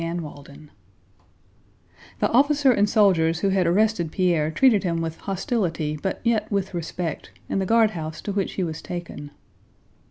CHAPTER IX The officer and soldiers who had arrested Pierre treated him with hostility but yet with respect, in the guardhouse to which he was taken.